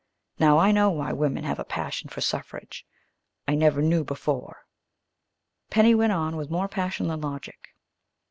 Now I know why women have a passion for suffrage. I never knew before," Penny went on, with more passion than logic.